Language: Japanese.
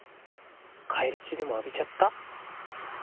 返り血でも浴びちゃった？